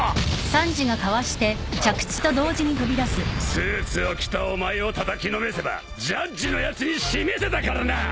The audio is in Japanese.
スーツを着たお前をたたきのめせばジャッジのやつに示せたからな。